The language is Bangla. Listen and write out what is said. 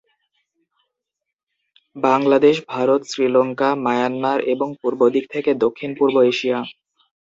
বাংলাদেশ, ভারত, শ্রীলঙ্কা, মায়ানমার এবং পূর্বদিক থেকে দক্ষিণ- পূর্ব এশিয়া।